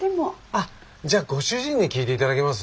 あっじゃあご主人に聞いて頂けます？